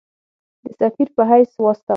د سفیر په حیث واستاوه.